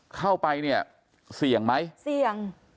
เข้าไปเนี่ยเสี่ยงไหมเสี่ยง